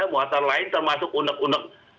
muatan lain termasuk unek unek